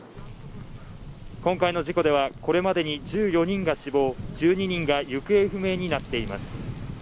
今回の事故ではこれまでに１４人が死亡１２人が行方不明になっています